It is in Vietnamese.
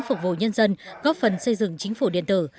phục vụ nhân dân góp phần xây dựng chính phủ điện tử